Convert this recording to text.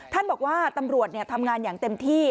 ท่านบอกว่าตำรวจทำงานอย่างเต็มที่